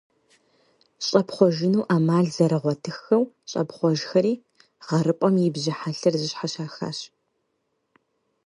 ЩӀэпхъуэжыну Ӏэмал зэрагъуэтыххэу, щӀэпхъуэжхэри, гъэрыпӀэм и бжьы хьэлъэр зыщхьэщахащ.